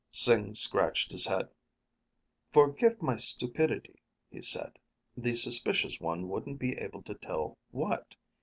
Sing scratched his head. "Forgive my stupidity," he said. "The suspicious one wouldn't be able to tell what?